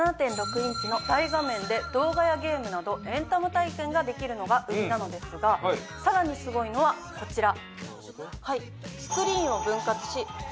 動画やゲームなどエンタメ体験ができるのが売りなのですがさらにすごいのはこちら。